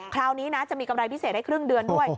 คราวนี้นะจะมีกำไรพิเศษได้ครึ่งเดือนด้วย